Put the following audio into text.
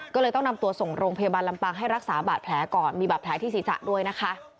ก็เลยต้องนำตัวส่งโรงพยาบาลลำปางให้รักษาบาดแผลก่อนมีบาดแผลที่ศีรษะด้วยนะคะ